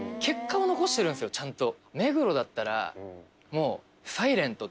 ちゃんと。